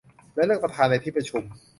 และเลือกประธานในที่ประชุม